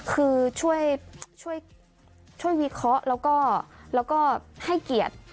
คือช่วยวิเคราะห์แล้วก็ให้เกียรติ